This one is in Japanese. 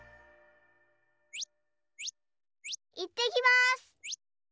いってきます。